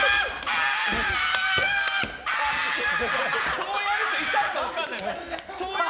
そうやると痛いか分かんない。